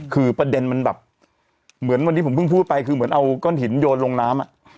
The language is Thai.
คือประเด็นมันแบบเหมือนวันนี้ผมเพิ่งพูดไปคือเหมือนเอาก้อนหินโยนลงน้ำ